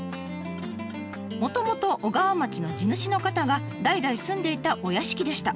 もともと小川町の地主の方が代々住んでいたお屋敷でした。